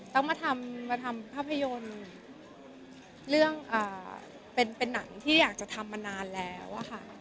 ต้องมาทำภาพยนตร์เรื่องเป็นหนังที่อยากจะทำมานานแล้วอะค่ะ